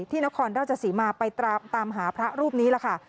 นครราชสีมาไปตามหาพระรูปนี้ล่ะค่ะ